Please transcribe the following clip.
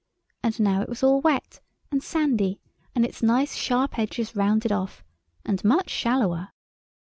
And now it was all wet and sandy, and its nice sharp edges rounded off, and much shallower.